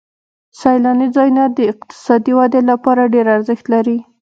سیلاني ځایونه د اقتصادي ودې لپاره ډېر ارزښت لري.